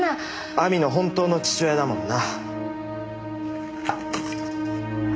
亜美の本当の父親だもんな。